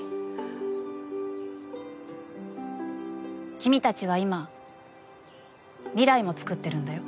君たちは今未来もつくってるんだよ。